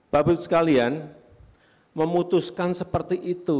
bapak ibu sekalian memutuskan seperti itu